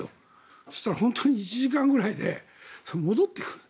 そうしたら本当に１時間くらいで戻ってくる。